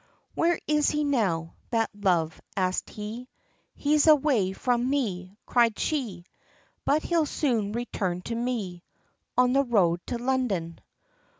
"Where is now, that love?" asked he, "He's away from me," cried she, "But he'll soon return to me, On the road, to London."